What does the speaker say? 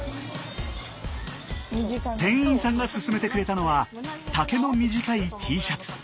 店員さんがすすめてくれたのは丈の短いＴシャツ。